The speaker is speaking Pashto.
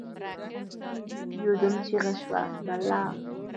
يودم چیغه شوه: «بلا!»